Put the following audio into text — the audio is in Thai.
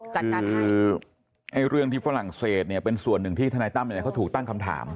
จากนั้นคือเรื่องที่ฝรั่งเศสเนี่ยเป็นส่วนหนึ่งที่ทนายตั้มเขาถูกตั้งคำถาม